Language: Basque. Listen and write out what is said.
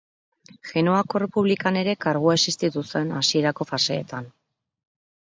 Genoako Errepublikan ere kargua existitu zen hasierako faseetan.